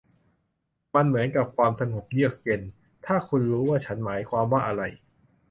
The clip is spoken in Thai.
มันเหมือนกับความสงบเยือกเย็น ถ้าคุณรู้ว่าฉันหมายความว่าอะไร